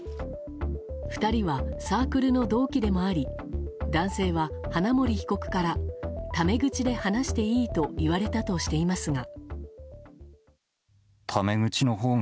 ２人はサークルの同期でもあり男性は、花森被告からため口で話していいと言われたとしていますが。